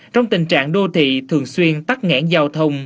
trong tình trạng đô thị thường xuyên tắt ngãn giao thông